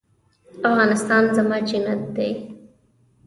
افغانستان زما جنت دی